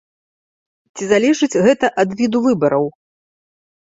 Ці залежыць гэта ад віду выбараў?